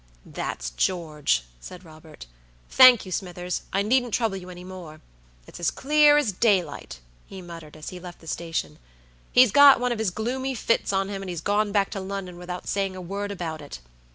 "That's George," said Robert. "Thank you, Smithers; I needn't trouble you any more. It's as clear as daylight," he muttered, as he left the station; "he's got one of his gloomy fits on him, and he's gone back to London without saying a word about it.